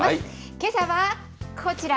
けさはこちら。